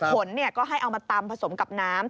ผลก็ให้เอามาตำผสมกับน้ำ